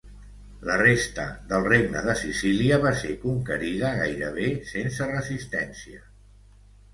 La resta del Regne de Sicília va ser conquerida gairebé sense resistència.